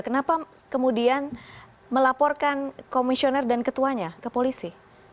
kenapa kemudian melaporkan komisioner dan ketuanya ke polisi